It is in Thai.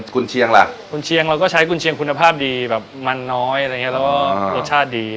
คุณเชียงเราก็ใช้คุณเชียงคุณภาพดีแบบมันน้อยอะไรอย่างนี้แล้วก็รสชาติดี